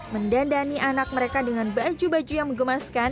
mendandani anak mereka dengan baju baju yang mengemaskan